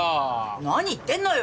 何言ってんのよ！